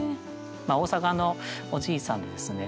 大阪のおじいさんでですね